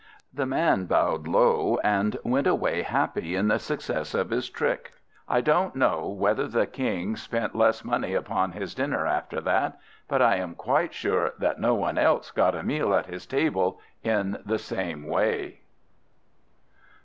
The man bowed low, and went away happy in the success of his trick. I don't know whether the King spent less money upon his dinner after that, but I am quite sure that no one else got a meal at his table in the same way.